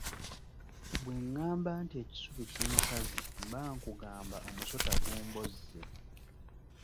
Bwe ŋŋamba nti ekisubi kinsaze mba nkugamba omusota gumbozze.